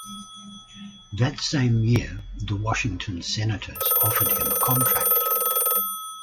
That same year, the Washington Senators offered him a contract.